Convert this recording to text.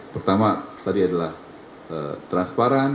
pertama tadi adalah transparan